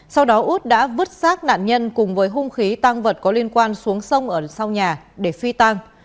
sau đó út đã vứt sát nạn nhân cùng với hung khí tăng vật có liên quan xuống sông ở sau nhà để phi tăng